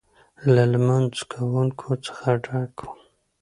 له لمونځ کوونکو څخه ډک و.